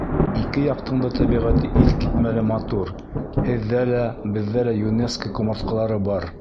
— Ике яҡтың да тәбиғәте иҫ китмәле матур, һеҙҙә лә, беҙҙә лә ЮНЕСКО ҡомартҡылары бар.